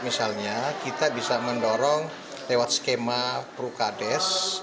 misalnya kita bisa mendorong lewat skema prukades